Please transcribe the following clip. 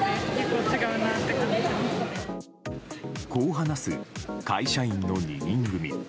こう話す会社員の２人組。